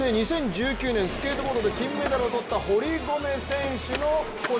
２０１９年、スケートボードで金メダルを取った堀米選手。